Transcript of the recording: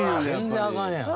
全然アカンやん。